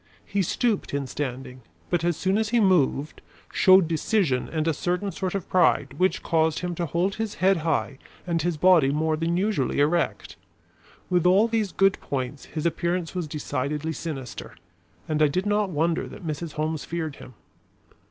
He stooped in standing, but as soon as he moved, showed decision and a certain sort of pride which caused him to hold his head high and his body more than usually erect. With all these good points his appearance was decidedly sinister, and I did not wonder that Mrs. Holmes feared him.